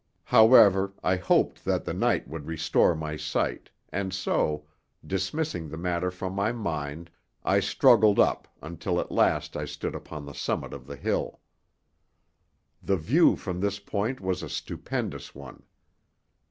However, I hoped that the night would restore my sight, and so, dismissing the matter from my mind, I struggled up until at last I stood upon the summit of the hill. The view from this point was a stupendous one.